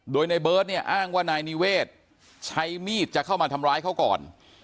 โดยในเบิร์ตเนี่ยอ้างว่านายนิเวศใช้มีดจะเข้ามาทำร้ายเขาก่อน